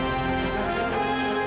tante kita harus berhenti